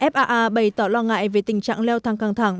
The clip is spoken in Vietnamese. faa bày tỏ lo ngại về tình trạng leo thang căng thẳng